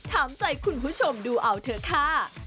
ถามใจคุณผู้ชมดูเอาเถอะค่ะ